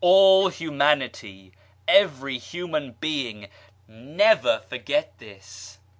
All Humanity ! Every human being ! never for get this